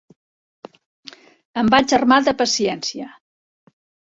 Em vaig armar de paciència.